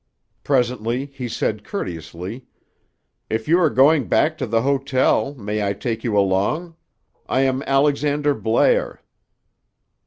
Presently he said courteously: "If you are going back to the hotel, may I take you along? I am Alexander Blair."